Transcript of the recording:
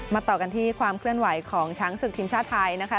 ต่อกันที่ความเคลื่อนไหวของช้างศึกทีมชาติไทยนะคะ